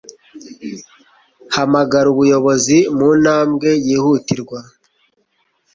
hamagara ubuyobozi mu ntambwe yihutirwa